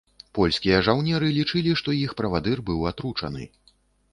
Польскія жаўнеры лічылі, што іх правадыр быў атручаны.